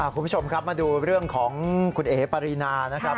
คุณผู้ชมครับมาดูเรื่องของคุณเอ๋ปารีนานะครับ